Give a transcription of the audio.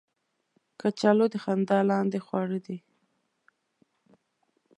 کچالو د خندا لاندې خواړه دي